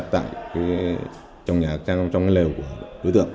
trong nhà trong lều